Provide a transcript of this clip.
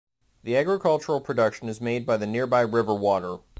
The agricultural production is made by the nearby river water.